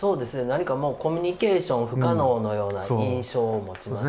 何かもうコミュニケーション不可能のような印象を持ちますが。